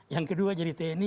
yang kedua jadi tni